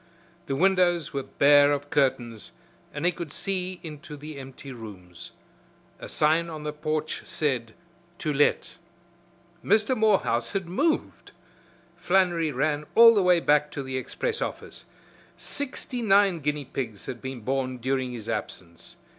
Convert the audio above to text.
The windows were bare of curtains and he could see into the empty rooms. A sign on the porch said, "To Let." Mr. Morehouse had moved! Flannery ran all the way back to the express office. Sixty nine guinea pigs had been born during his absence.